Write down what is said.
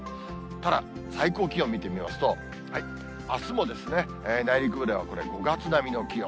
ただ、最高気温見てみますと、あすも内陸部ではこれ、５月並みの気温。